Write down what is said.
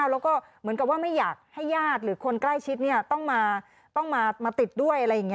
แล้วก็เหมือนกับว่าไม่อยากให้ญาติหรือคนใกล้ชิดต้องมาติดด้วยอะไรอย่างนี้